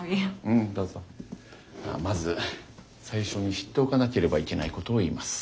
まず最初に知っておかなければいけないことを言います。